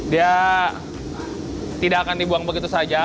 dia tidak akan dibuang begitu saja